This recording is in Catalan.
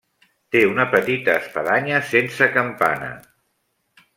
Té una petita espadanya sense campana.